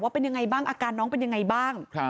เป็นยังไงบ้างอาการน้องเป็นยังไงบ้าง